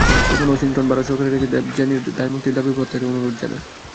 তখন ওয়াশিংটন ভারত সরকারের কাছে দেবযানীর দায়মুক্তির দাবি প্রত্যাহারের অনুরোধ জানায়।